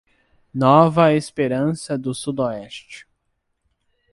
Nova Esperança do Sudoeste